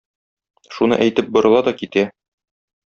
Шуны әйтеп борыла да китә.